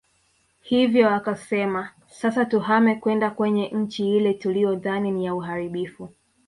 Hivyo wakasema sasa tuhame kwenda kwenye nchi ile tuliyodhani ni ya uharibifu